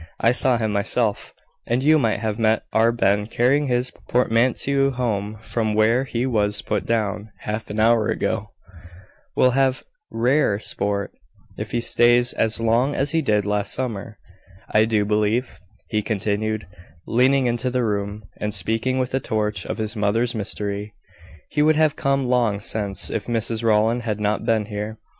I saw him myself; and you might have met our Ben carrying his portmanteau home, from where he was put down, half an hour ago. We'll have rare sport, if he stays as long as he did last summer. I do believe," he continued, leaning into the room, and speaking with a touch of his mother's mystery, "he would have come long since if Mrs Rowland had not been here.